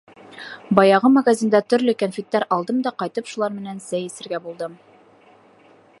Баяғы магазинда төрлө кәнфиттәр алдым да ҡайтып шулар менән сәй эсергә булдым.